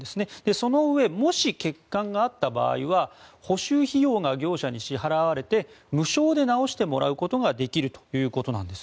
そのうえもし欠陥があった場合は補修費用が業者に支払われて無償で直してもらうことができるということです。